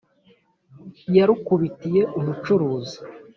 yarukubitiye umucuzi